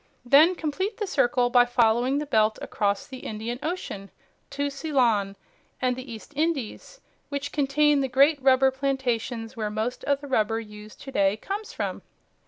Then complete the circle by following the belt across the Indian Ocean to Ceylon and the East Indies which contain the great rubber plantations where most of the rubber used to day comes from.